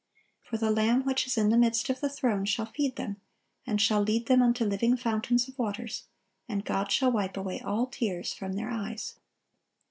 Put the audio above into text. For the Lamb which is in the midst of the throne shall feed them, and shall lead them unto living fountains of waters: and God shall wipe away all tears from their eyes."